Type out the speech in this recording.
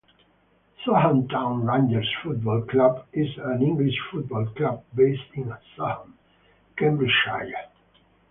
Soham Town Rangers Football Club is an English football club based in Soham, Cambridgeshire.